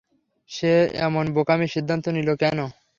সে এমন বোকামি সিদ্ধান্ত নিলো কেন?